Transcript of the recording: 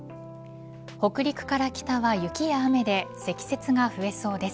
北陸から北は雪や雨で積雪が増えそうです。